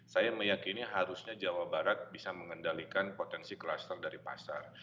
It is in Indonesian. saya meyakini harusnya jawa barat bisa mengendalikan potensi kluster dari pasar